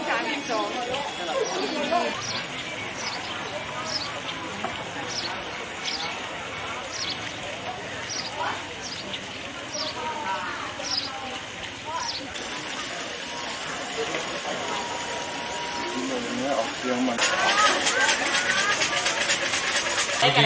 ผู้หายห้องกว่าท่าต้องกลับเธอ